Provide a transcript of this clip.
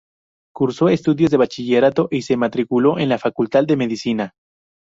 Cursó estudios de bachillerato y se matriculó en la facultad de medicina.